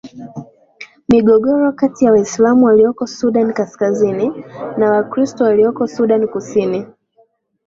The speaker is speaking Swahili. migogoro kati ya waislamu walioko sudan kaskazini na wachristo walioko sudan kusini